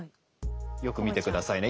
よく見て下さいね。